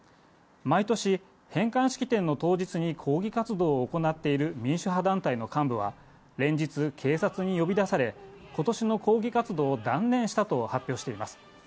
毎年、返還式典の当日に抗議活動を行っている民主派団体の幹部は、連日警察に呼び出され、今年の抗議活動を断念したと発表しています。